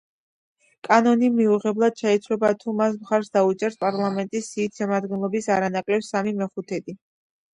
კანონი მიღებულად ჩაითვლება, თუ მას მხარს დაუჭერს პარლამენტის სიითი შემადგენლობის არანაკლებ სამი მეხუთედი.